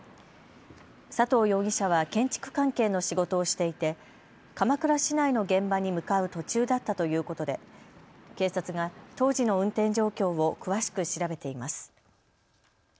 佐藤容疑者は建築関係の仕事をしていて鎌倉市内の現場に向かう途中だったということで警察が当時の運転状況を詳しく調べています。